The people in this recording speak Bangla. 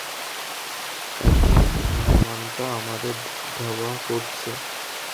এখন হনুমানটা আমাদের ধাওয়া করছে!